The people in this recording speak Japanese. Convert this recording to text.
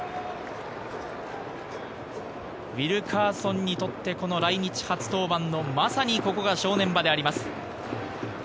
ウィルカーソンにとって、この来日初登板の、まさにここが正念場であります。